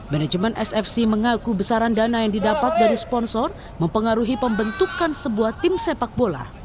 manajemen sfc mengaku besaran dana yang didapat dari sponsor mempengaruhi pembentukan sebuah tim sepak bola